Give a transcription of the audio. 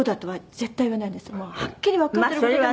はっきりわかってる事でも。